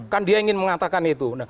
kan dia ingin mengatakan itu